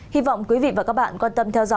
hy vọng quý vị và các bạn quan tâm theo dõi